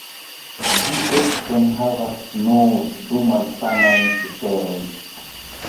Ĝi eĉ enhavas nur du malsamajn ciferojn.